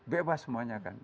bebas semuanya kan